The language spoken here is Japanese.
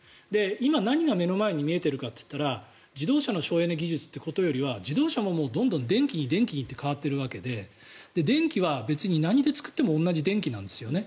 今、何が目の前に見えているかといったら自動車の省エネ技術ということよりは自動車もどんどん電気にって変わってるわけで電気は別に何で作っても同じ電気なんですよね。